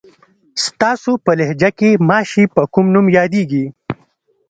ستاسو په لهجه کې ماشې په کوم نوم یادېږي؟